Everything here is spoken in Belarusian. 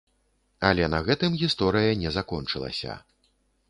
Але на гэтым гісторыя не закончылася.